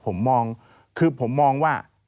ผมมองคือผมมองว่า